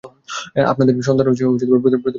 আপনাদের সন্তান প্রতিবন্ধী হবে।